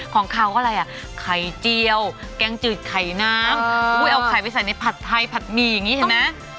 ของเขาอะไรอ่ะไข่เจียวแกงจืดไข่น้ำเอาไข่ไปใส่ในผัดไทยผัดหมี่อย่างนี้เห็นไหม